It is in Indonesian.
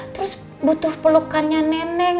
terus butuh pelukannya neneng